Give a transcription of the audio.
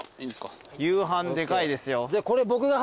夕飯でかいですよ。